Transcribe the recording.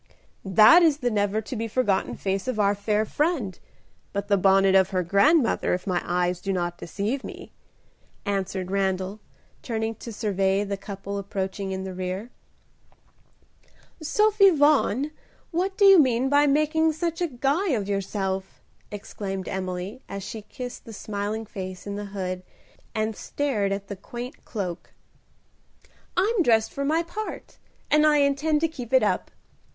"That is the never to be forgotten face of our fair friend, but the bonnet of her grandmother, if my eyes do not deceive me," answered Randal, turning to survey the couple approaching in the rear. "Sophie Vaughan, what do you mean by making such a guy of yourself?" exclaimed Emily, as she kissed the smiling face in the hood and stared at the quaint cloak. "I'm dressed for my part, and I intend to keep it up.